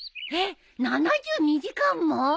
えっ７２時間も！？